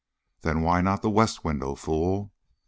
"Then why not the west window, fool!"